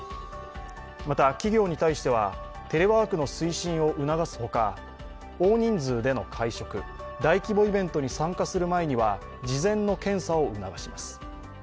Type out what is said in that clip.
また企業に対してはテレワークの推進を促すほか、大人数での会食、大規模イベントに参加する前には事前の検査を促します。